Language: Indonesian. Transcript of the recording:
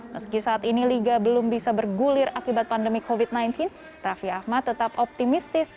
meski saat ini liga belum bisa bergulir akibat pandemi covid sembilan belas raffi ahmad tetap optimistis